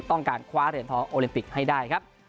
ต้องการคว้าเหรียญทองโอลิมปิกให้ได้ครับ